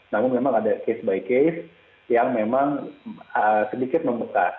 namun memang ada case by case yang memang sedikit membekas